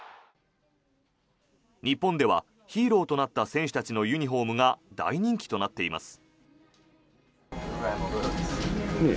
日本ではヒーローとなった選手たちのユニホームが大人気となっています。